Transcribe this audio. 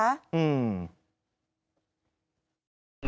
อืม